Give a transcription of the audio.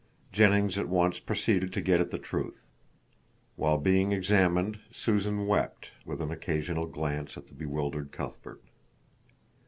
Jennings at once proceeded to get at the truth. While being examined Susan wept, with an occasional glance at the bewildered Cuthbert.